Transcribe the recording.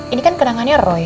ini kan kenangannya roy